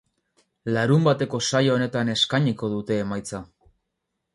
Larunbateko saio honetan eskainiko dute emaitza.